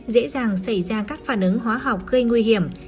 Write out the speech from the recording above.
dễ dàng xảy ra các phản ứng hóa học gây nguy hiểm